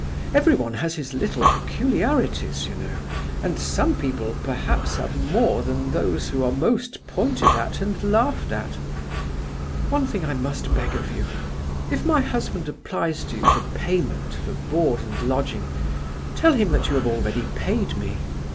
Everyone has his little peculiarities, you know, and some people perhaps have more than those who are most pointed at and laughed at. One thing I must beg of you—if my husband applies to you for payment for board and lodging, tell him that you have already paid me.